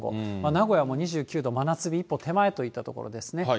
名古屋も２９度、真夏日一歩手前といったところですね。